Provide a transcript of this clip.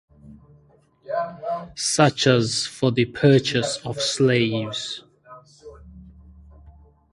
Such as for the purchase of slaves.